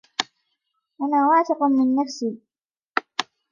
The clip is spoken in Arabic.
أنا واثق من نفسي.